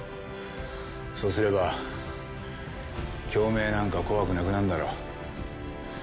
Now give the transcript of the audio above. そうすれば京明なんか怖くなくなるだろ。